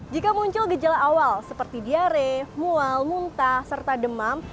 jika muncul gejala awal seperti diare mual muntah serta demam